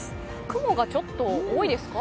雲がちょっと多いですか？